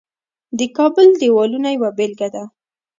د کابل دیوالونه یوه بیلګه ده